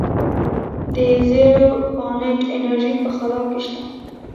د زیرو پاینټ انرژي په خلا کې شته.